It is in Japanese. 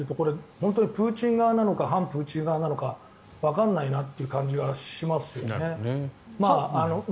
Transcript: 本当にプーチン側なのか反プーチン側なのかわからないなという感じがしますよね。